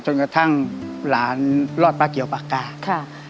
จนกระทั่งหลานรอดปลาเกียวปากกาค่ะ